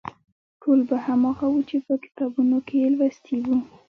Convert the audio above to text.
ټول به هماغه و چې په کتابونو کې یې لوستي وو.